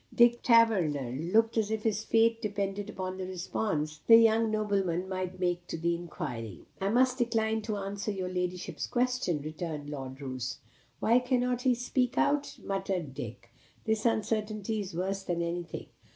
Dick Taverner looked as if his fate depended upon the response the young nobleman might make to the inquiry. "I must decline to answer your ladyship's question," returned Lord Roos. "Why cannot he speak out?" muttered Dick. "This uncertainty is worse than anything."